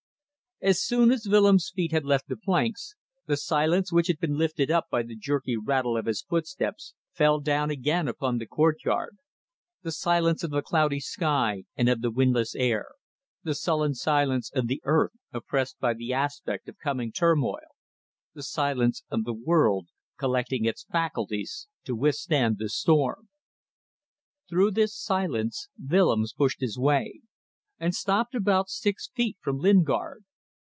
As soon as Willems' feet had left the planks, the silence which had been lifted up by the jerky rattle of his footsteps fell down again upon the courtyard; the silence of the cloudy sky and of the windless air, the sullen silence of the earth oppressed by the aspect of coming turmoil, the silence of the world collecting its faculties to withstand the storm. Through this silence Willems pushed his way, and stopped about six feet from Lingard.